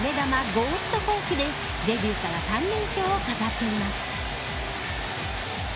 ゴースト・フォークでデビューから３連勝を飾っています。